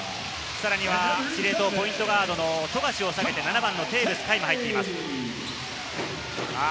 さらには司令塔、ポイントガードの富樫を下げて７番のテーブス海も入っています。